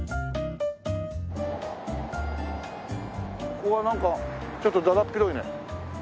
ここはなんかちょっとだだっ広いね。